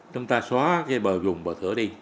chúng ta xóa cái bờ vùng bờ thửa đi